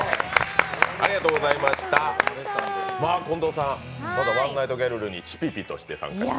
近藤さん、ワンナイトギャルルにちぴぴとして参加して。